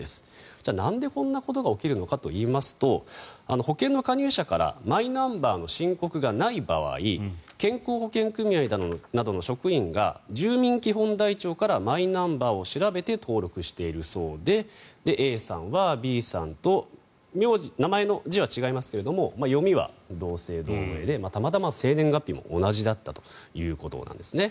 じゃあ、なんでこんなことが起きるのかといいますと保険の加入者からマイナンバーの申告がない場合健康保険組合などの職員が住民基本台帳からマイナンバーを調べて登録しているそうでＡさんはＢさんと名前の字は違いますけれども読みは同姓同名でたまたま生年月日も同じだったということなんですね。